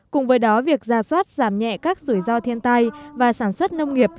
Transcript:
cùng với đó việc ra soát giảm nhẹ các rủi ro thiên tai và sản xuất nông nghiệp